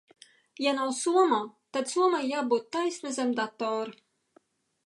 Ja nav somā, tad somai jābūt taisni zem datora.